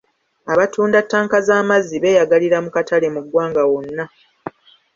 Abatunda ttanka z'amazzi beeyagalira mu katale mu ggwanga wonna.